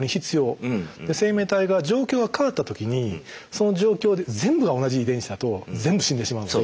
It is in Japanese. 生命体が状況が変わった時にその状況で全部が同じ遺伝子だと全部死んでしまうので。